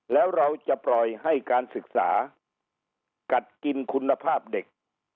แล้วเราจะปล่อยให้การศึกษากัดกินคุณภาพเด็ก